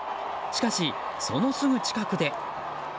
しかし、そのすぐ近くで。